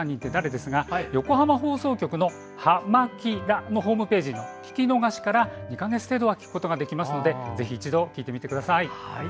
ですが横浜放送局の「はま☆キラ！」のホームページの聴き逃しから２か月程度は聴くことができますのでぜひ、一度聴いてみてください。